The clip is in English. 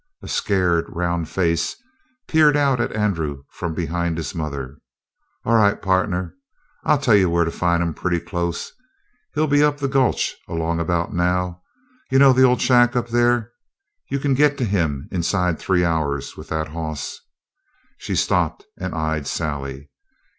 A scared, round face peered out at Andrew from behind his mother. "All right, partner. I'll tell you where to find him pretty close. He'll be up the gulch along about now. You know the old shack up there? You can get to him inside three hours with that hoss." She stopped and eyed Sally.